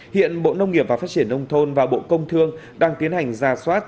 hiện bộ nông nghiệp và phát triển nông thôn và bộ công thương đang tiến hành ra soát